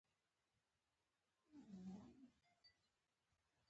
ښځې د خپل هیواد مشران په خپله خوښه ټاکي.